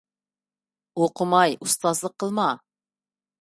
ئوقۇماي ئۇستازلىق قىلما.